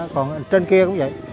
còn trên kia cũng vậy